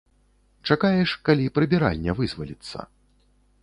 Чакаеш, калі прыбіральня вызваліцца.